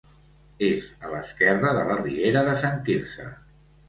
És a l'esquerra de la riera de Sant Quirze.